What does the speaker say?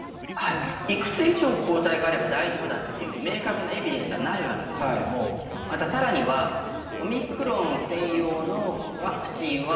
いくつ以上抗体があれば大丈夫だっていう明確なエビデンスはないわけですけどもまた、更にはオミクロン専用のワクチンは